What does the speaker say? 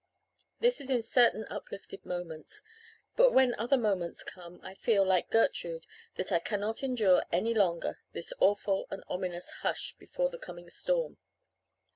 This is in certain uplifted moments; but when other moments come I feel, like Gertrude, that I cannot endure any longer this awful and ominous hush before the coming storm."